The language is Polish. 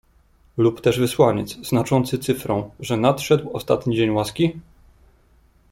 "Lub też wysłaniec, znaczący cyfrą, że nadszedł ostatni dzień łaski?"